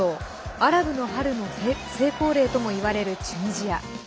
アラブの春の成功例ともいわれるチュニジア。